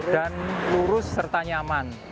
dan lurus serta nyaman